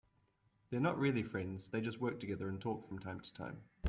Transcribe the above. They are not really friends, they just work together and talk from time to time.